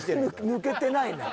抜けてないな。